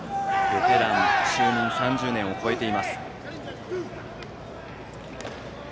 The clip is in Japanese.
ベテラン就任３０年を超えています。